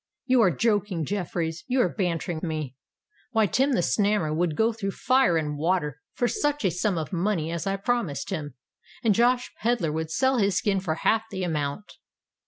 You are joking, Jeffreys,—you are bantering me! Why, Tim the Snammer would go through fire and water for such a sum of money as I promised him; and Josh Pedler would sell his skin for half the amount."